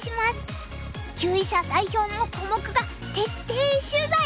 級位者代表のコモクが徹底取材。